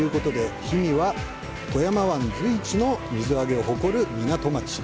氷見は富山湾随一の水揚げを誇る港町。